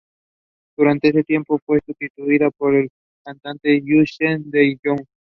Durante ese tiempo, fue sustituida por la cantante Joyce DeYoung.